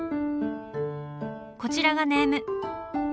こちらがネーム。